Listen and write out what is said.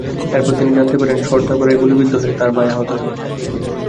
এরপর তিনি জানতে পারেন, সরদারপাড়ায় গুলিবিদ্ধ হয়ে তাঁর ভাই আহত হয়েছেন।